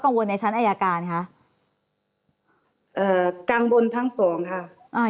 กังวลในชั้นอายการคะเอ่อกังวลทั้งสองค่ะอ่า